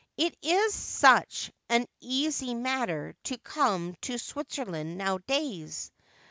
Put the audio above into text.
' It is such an easy matter to come to Switzerland nowadajs.